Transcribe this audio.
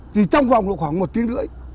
thì trong vòng khoảng một tiếng rưỡi